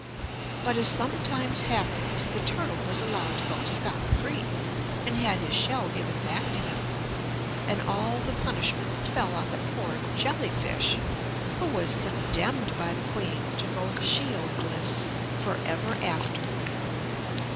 But, as sometimes happens, the turtle was allowed to go scot free, and had his shell given back to him, and all the punishment fell on the poor jelly fish, who was condemned by the queen to go shieldless for ever after.